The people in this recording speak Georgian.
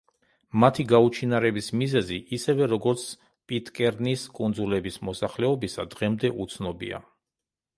მათი გაუჩინარების მიზეზი, ისევე როგორც პიტკერნის კუნძულების მოსახლეობისა, დღემდე უცნობია.